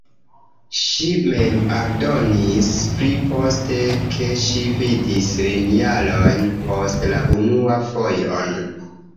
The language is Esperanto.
Ŝi mem aldonis pli poste, ke ŝi vidis lin jarojn poste la unuan fojon.